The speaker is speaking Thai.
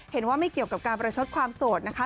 เห็นว่าไม่เกี่ยวกับการประชดความโสดนะคะ